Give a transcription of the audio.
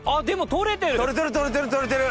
取れてる取れてる取れてる！